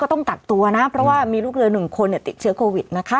ต้องกักตัวนะเพราะว่ามีลูกเรือหนึ่งคนติดเชื้อโควิดนะคะ